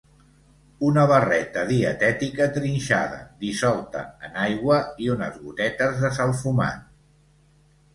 Una barreta dietètica trinxada, dissolta en aigua i unes gotetes de salfumant.